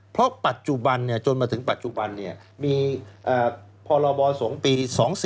เพราะปัจจุบันจนมาถึงปัจจุบันมีพรบสงฆ์ปี๒๔